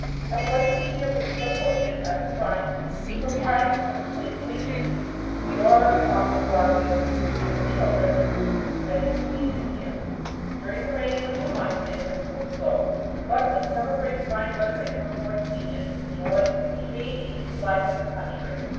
At Huadquiña we were so fortunate as to find that the proprietress of the plantation, Señora Carmen Vargas, and her children, were spending the season here. During the rainy winter months they live in Cuzco, but when summer brings fine weather they come to Huadquiña to enjoy the free and easy life of the country.